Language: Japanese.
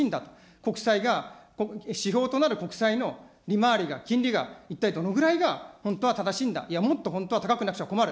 国債が指標となる国債の利回りが、金利が一体どのぐらいが、本当は正しいんだ、いや、もっと本当は高くなくちゃ困る。